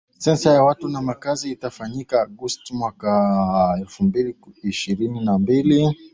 Sensa ya watu na makazi itafanyika Agosti Mwaka elfu mbili ishirini na mbili